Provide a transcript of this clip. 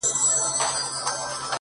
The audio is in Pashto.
شک په کې نهشته